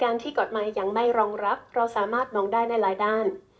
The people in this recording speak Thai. ที่กฎหมายยังไม่รองรับเราสามารถมองได้ในหลายด้าน